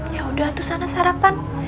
ya udah tuh sana sarapan